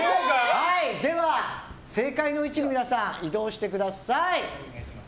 では、正解の位置に皆さん移動してください。